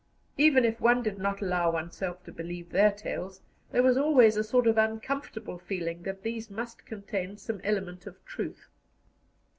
Even if one did not allow oneself to believe their tales, there was always a sort of uncomfortable feeling that these must contain some element of truth.